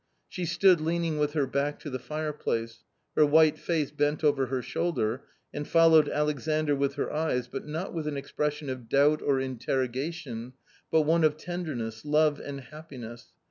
She stood leaning with her back to the fireplace ; her white face bent over her shoulder, and followed Alexandr with her eyes, but not with an expression of doubt or interrogation, but one of tenderness, love and happiness.